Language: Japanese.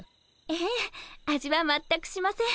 ええ味は全くしません。